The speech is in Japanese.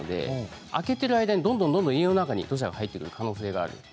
開けている間にどんどん家の中に入ってくる可能性があります。